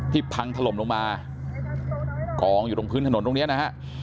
พังถล่มลงมากองอยู่ตรงพื้นถนนตรงนี้นะฮะ